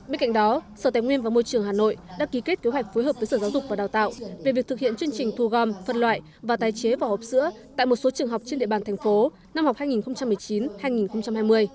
bên cạnh đó sở tài nguyên và môi trường hà nội đã ký kết kế hoạch phối hợp với sở giáo dục và đào tạo về việc thực hiện chương trình thu gom phân loại và tái chế vỏ hộp sữa tại một số trường học trên địa bàn thành phố năm học hai nghìn một mươi chín hai nghìn hai mươi